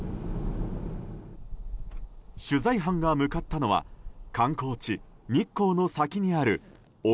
取材班が向かったのは観光地・日光の先にある奥